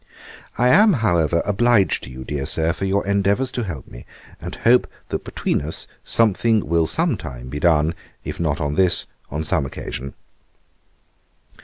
'I am, however, obliged to you, dear Sir, for your endeavours to help me, and hope, that between us something will some time be done, if not on this, on some occasion.